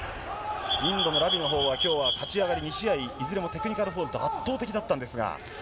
インドのラビのほうは、きょうは立ち上がり２試合、いずれもテクニカルフォールと、圧倒的だったんですが。